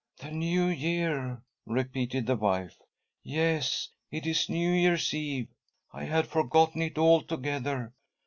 " The New Year I " repeated the wife. " Yes, it is New Year's Eve — I had forgotten it altogether.